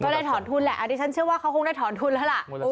ได้ถอนทุนแหละอันนี้ฉันเชื่อว่าเขาคงได้ถอนทุนแล้วล่ะ